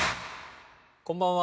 こんばんは。